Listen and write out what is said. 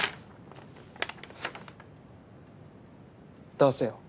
出せよ。